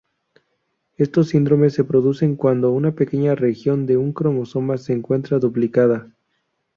Estos síndromes se producen cuando una pequeña región de un cromosoma se encuentra duplicada.